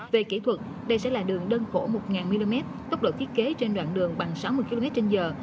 về kỹ thuật đây sẽ là đường đơn cổ một mm tốc độ thiết kế trên đoạn đường bằng sáu mươi km trên giờ